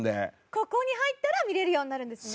ここに入ったら見られるようになるんですね。